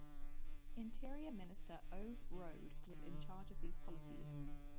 Interior minister Ove Rode was in charge of these policies.